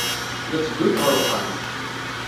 La tteddunt ɣer wexxam.